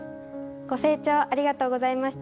ご清聴ありがとうございました。